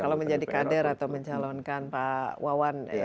kalau menjadi kader atau mencalonkan pak wawan